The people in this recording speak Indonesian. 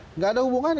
tidak ada hubungan